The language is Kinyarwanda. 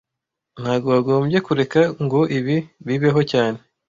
Ntago wagombye kureka ngo ibi bibeho cyane